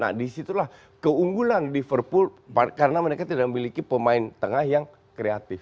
nah disitulah keunggulan liverpool karena mereka tidak memiliki pemain tengah yang kreatif